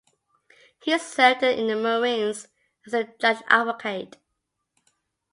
He served in the Marines as a Judge Advocate.